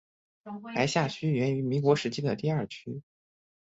白下区源于民国时期的第二区。